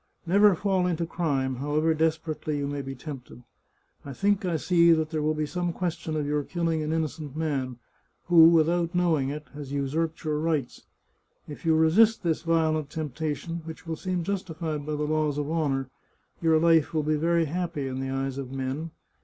Never fall into crime, however desperately you may be tempted. I think I see that there will be some question of your killing an innocent man, who, without knowing it, has usurped your rights. If you resist this violent temptation, which will seem justified by the laws of honour, your life will be very happy in the eyes of men